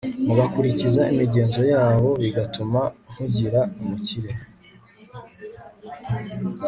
mugakurikiza imigenzo yabo bigatuma nkugira umukire